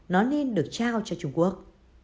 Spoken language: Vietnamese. nó nên được trao cho trung quốc